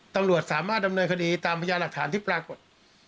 ตำรวจสามารถดำเนินคดีตามพยาหลักฐานที่ปรากฏ